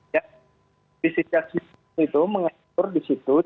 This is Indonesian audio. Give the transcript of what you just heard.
ya bisnis caceman itu mengatur di situ